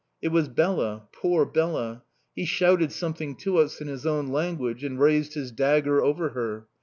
It was Bela poor Bela! He shouted something to us in his own language and raised his dagger over her...